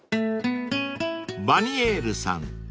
［ヴァニエールさん